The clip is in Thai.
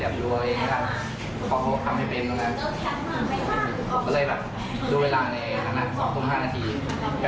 เข้าคอมเสียบดูอะไรอย่างนี้ล่ะ